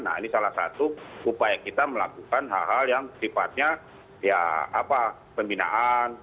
nah ini salah satu upaya kita melakukan hal hal yang sifatnya ya apa pembinaan